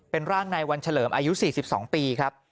เป็นร่างนายวันเฉลิมอายุ๔๒ปีครับ